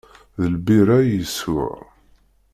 D lbira i yeswa.